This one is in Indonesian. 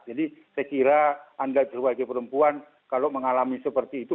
jadi saya kira anda sebagai perempuan kalau mengalami seperti itu